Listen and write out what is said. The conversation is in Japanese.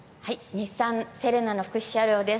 日産セレナの福祉車両です。